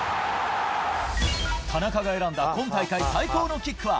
田中が選んだ今大会最高のキックは？